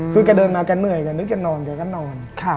คือแกเดินมาแกเหนื่อยแกนึกแกนอนแกก็นอน